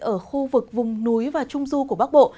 ở khu vực vùng núi và trung du của bắc bộ